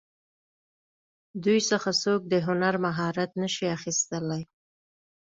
دوی څخه څوک د هنر مهارت نشي اخیستلی.